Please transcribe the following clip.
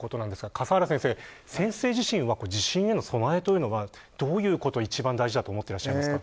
笠原先生、先生自身は地震への備えは、どういうことが一番大事だと思いますか。